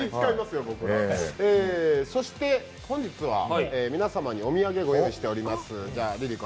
そして本日は皆様にお土産ご用意しております。